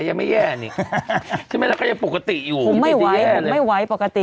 ยังไม่แย่นี่ใช่ไหมแล้วก็ยังปกติอยู่ผมไม่ไหวผมไม่ไหวปกติ